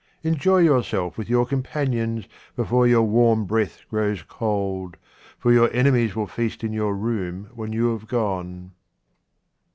Enjoy yourself with your companions before your warm breath grows cold, for your enemies will feast in your room when you have gone.